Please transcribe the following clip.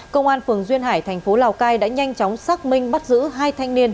công an phường duyên hải thành phố lào cai đã nhanh chóng xác minh bắt giữ hai thanh niên